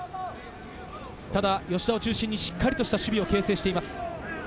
ただ吉田を中心にしっかりと守備を形成しています。